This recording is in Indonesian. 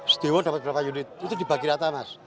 stiwa dapat berapa unit itu dibagi rata mas